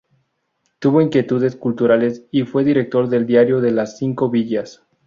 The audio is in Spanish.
Tuvo inquietudes culturales y fue director del diario de las Cinco Villas.